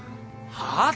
はあ？